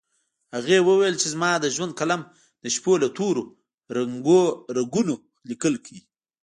هغې وويل چې زما د ژوند قلم د شپو له تورو رګونو ليکل کوي